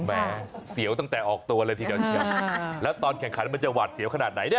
แหมเสียวตั้งแต่ออกตัวเลยทีเดียวเชียวแล้วตอนแข่งขันมันจะหวาดเสียวขนาดไหนเนี่ย